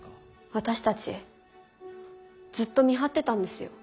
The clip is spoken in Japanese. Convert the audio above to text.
私たちずっと見張ってたんですよ。